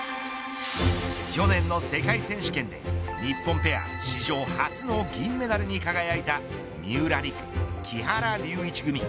去年の世界選手権で日本ペア史上初の銀メダルに輝いた三浦璃来・木原龍一組。